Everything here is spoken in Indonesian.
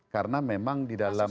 karena memang di dalam